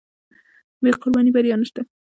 بې قربانۍ بریا نشته.